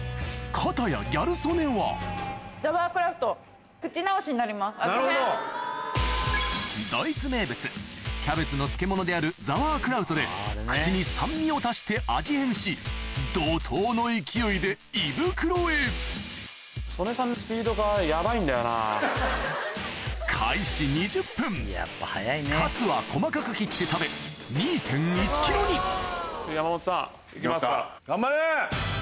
片やギャル曽根はドイツ名物キャベツの漬物であるザワークラウトで口に酸味を足して味変し怒濤の勢いで胃袋へカツは細かく切って食べ頑張れ！